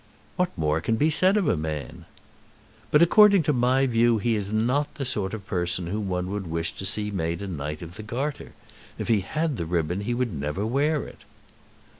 "What more can be said of a man?" "But according to my view he is not the sort of person whom one would wish to see made a Knight of the Garter. If he had the ribbon he would never wear it."